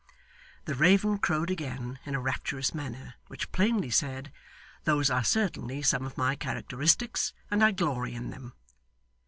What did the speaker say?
The raven crowed again in a rapturous manner which plainly said, 'Those are certainly some of my characteristics, and I glory in them.